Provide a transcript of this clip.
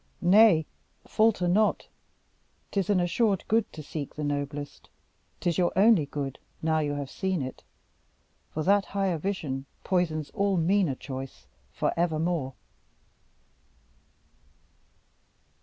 Nay, falter not 'tis an assured good To seek the noblest 'tis your only good Now you have seen it; for that higher vision Poisons all meaner choice forevermore.